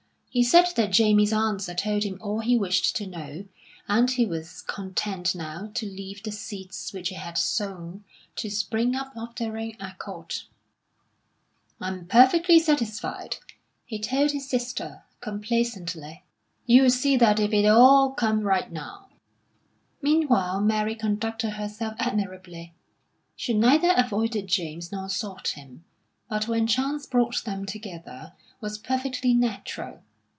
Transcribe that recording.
He said that Jamie's answer told him all he wished to know, and he was content now to leave the seeds which he had sown to spring up of their own accord. "I'm perfectly satisfied," he told his sister, complacently. "You'll see that if it'll all come right now." Meanwhile, Mary conducted herself admirably. She neither avoided James nor sought him, but when chance brought them together, was perfectly natural.